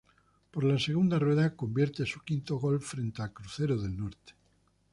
Por la segunda rueda convierte su quinto gol frente a Crucero del Norte.